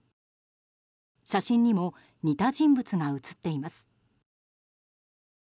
写真にも似た人物が写っています。